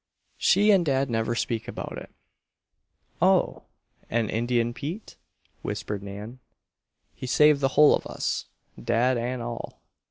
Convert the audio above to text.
She and dad never speak about it." "Oh! And Indian Pete?" whispered Nan. "He saved the whole of us dad and all.